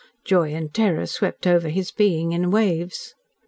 Joy and terror swept over his being in waves.